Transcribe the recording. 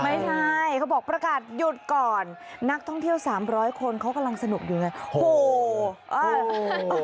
ไม่ใช่เขาบอกประกาศหยุดก่อนนักท่องเที่ยว๓๐๐คนเขากำลังสนุกอยู่ไง